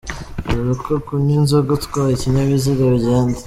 Dore uko kunywa inzoga utwaye ikinyabiziga bigenda